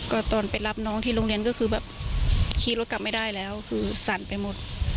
ก็ตอนไปรับน้องที่โรงเรียนก็คือแบบขี่รถกลับไม่ได้แล้วคือสั่นไปหมด